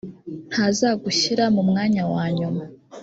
ntazagushyira mu mwanya wa nyuma;